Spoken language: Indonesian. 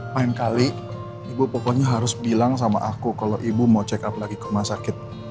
main kali ibu pokoknya harus bilang sama aku kalau ibu mau check up lagi ke rumah sakit